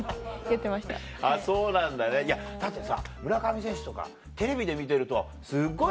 ってさ村上選手とかテレビで見てるとすっごい。